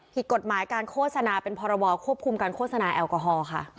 ผิดกฎหมายการโฆษณาเป็นพรบควบคุมการโฆษณาแอลกอฮอล์ค่ะ